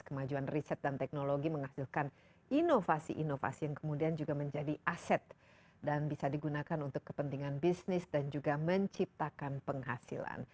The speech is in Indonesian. kemajuan riset dan teknologi menghasilkan inovasi inovasi yang kemudian juga menjadi aset dan bisa digunakan untuk kepentingan bisnis dan juga menciptakan penghasilan